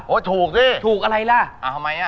ถูกสิถูกอะไรล่ะอ่าทำไมอ่ะ